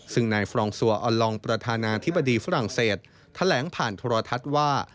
ซึ่งนายฟรองซัวออนลองประธานาธิบดีฝรั่งเศสแถลงผ่านโทรทัศน์ว่า